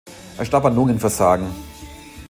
Er starb an Lungenversagen.